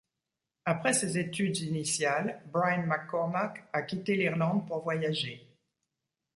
Après ses études initiales, Bryan Mc Cormack a quitté l'Irlande pour voyager.